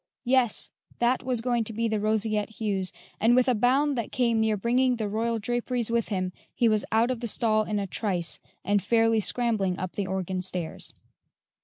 yes, that was going to be "The Roseate Hues," and with a bound that came near bringing the royal draperies with him he was out of the stall in a trice and fairly scrambling up the organ stairs.